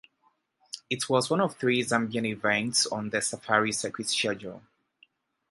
It was one of three Zambian events on the Safari Circuit schedule.